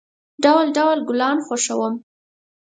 ډول، ډول گلان خوښوم.